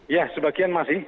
ya sebagian masih